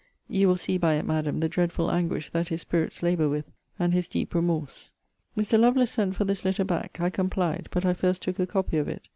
* You will see by it, Madam, the dreadful anguish that his spirits labour with, and his deep remorse. * See Letter XXXVII. ibid. Mr. Lovelace sent for this letter back. I complied; but I first took a copy of it.